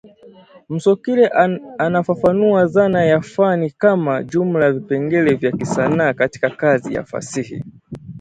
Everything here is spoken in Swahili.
Msokile anafafanua dhana ya fani kama, jumla ya vipengele vya kisanaa katika kazi ya fasihi